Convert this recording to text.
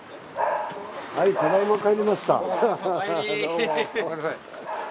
はいただいま帰りました・おかえりー